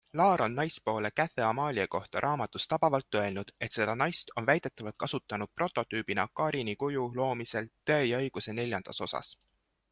Laar on naispoole Käthe-Amalie kohta raamatus tabavalt öelnud, et seda naist on väidetavalt kasutanud prototüübina Karini kuju loomisel Tõe ja õiguse IV osas.